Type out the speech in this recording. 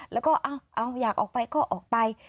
แล้วก็เอาอยากออกไปก็ออกไป